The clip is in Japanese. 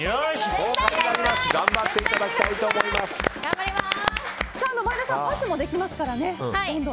前田さんパスもできますからね。